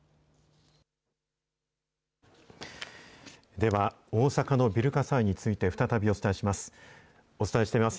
では、大阪のビル火災について、再びお伝えします。